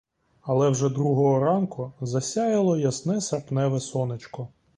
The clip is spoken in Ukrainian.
Але вже другого ранку засяяло ясне серпневе сонечко.